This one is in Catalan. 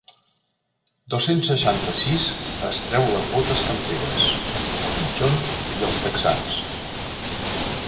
Dos-cents seixanta-sis es treu les botes camperes, els mitjons i els texans.